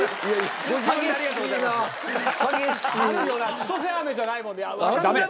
ちとせ飴じゃないもんな。